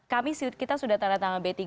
kami siut kita sudah tanda tanda b tiga